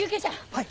はい。